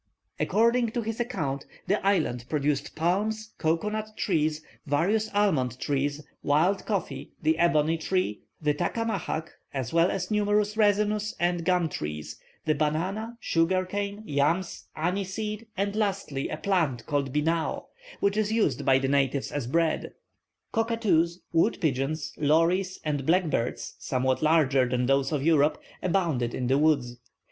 According to his account, the island produced palms, cocoa nut trees, various almond trees, wild coffee, the ebony tree, the tacamahac, as well as numerous resinous or gum trees, the banana, sugar cane, yams, aniseed, and lastly a plant called "Binao," which is used by the natives as bread. Cockatoos, wood pigeons, lories, and black birds, somewhat larger than those of Europe, abounded in the woods.